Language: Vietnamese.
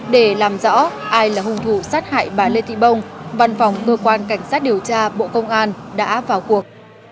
để làm rõ ai là hung thủ sát hại bà lê thị bông văn phòng cơ quan cảnh sát điều tra bộ công an đã vào cuộc